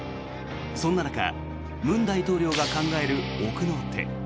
そんな中文大統領が考える奥の手。